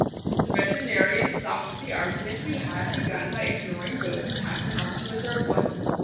The veterinarian stopped the argument we had begun by ignoring both and passing on to a third one.